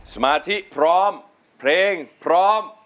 สมาธิพร้อมเพลงพร้อม